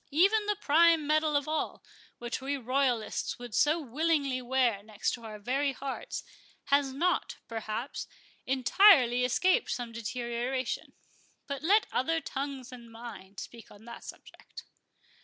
Even the prime medal of all, which we royalists would so willingly wear next our very hearts, has not, perhaps, entirely escaped some deterioration—But let other tongues than mine speak on that subject."